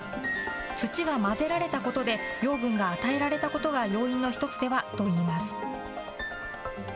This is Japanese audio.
土が混ぜられたことで養分が与えられたことが要因の一つではといいます。